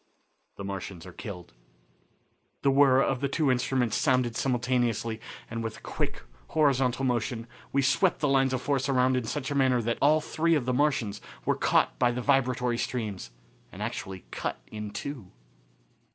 The Martians Are Killed. The whirr of the two instruments sounded simultaneously, and with a quick, horizontal motion we swept the lines of force around in such a manner that all three of the Martians were caught by the vibratory streams and actually cut in two.